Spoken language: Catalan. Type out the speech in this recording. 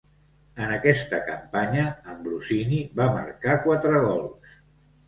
En aquesta campanya, Ambrosini va marcar quatre gols.